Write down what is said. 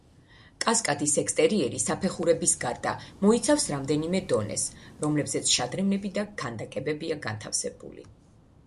კასკადის ექსტერიერი საფეხურების გარდა მოიცავს რამდენიმე დონეს, რომლებზეც შადრევნები და ქანდაკებებია განთავსებული.